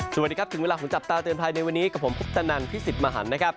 สวัสดีครับถึงเวลาของจับตาเตือนภัยในวันนี้กับผมพุทธนันพี่สิทธิ์มหันนะครับ